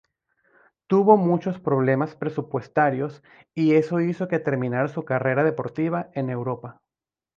Tuvo muchos problemas presupuestarios y eso hizo que terminara su carrera deportiva en Europa.